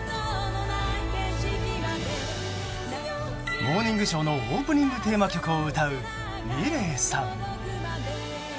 「モーニングショー」のオープニングテーマ曲を歌うｍｉｌｅｔさん。